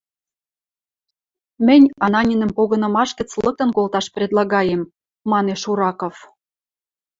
— Мӹнь Ананинӹм погынымаш гӹц лыктын колташ предлагаем, — манеш Ураков.